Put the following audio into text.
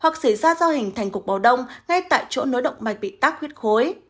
hoặc xảy ra do hình thành cục máu đông ngay tại chỗ nối động mạch bị tắc khuyết khối